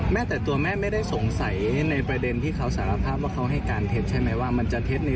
แต่ตัวแม่ไม่ได้สงสัยในประเด็นที่เขาสารภาพว่าเขาให้การเท็จใช่ไหมว่ามันจะเท็จใน